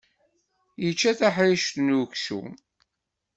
Yečča tacriḥt n uksum.